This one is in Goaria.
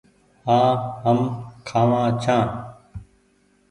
هآن هم کآوآن ڇآن ۔